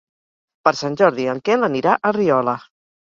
Per Sant Jordi en Quel anirà a Riola.